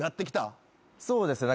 そうですね。